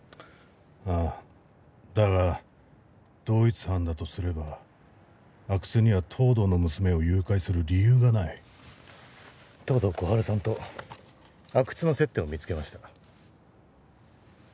ああだが同一犯だとすれば阿久津には東堂の娘を誘拐する理由がない東堂心春さんと阿久津の接点を見つけました